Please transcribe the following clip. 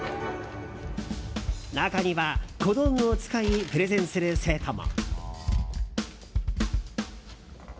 中には小道具を使いプレゼンする生徒も。